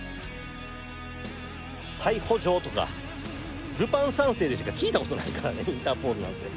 逮捕状とか、ルパン三世でしか聞いたことないからね、インターポールなんて。